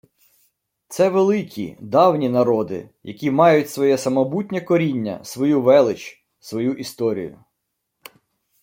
Це великі, давні народи, які мають своє самобутнє коріння, свою велич, свою історію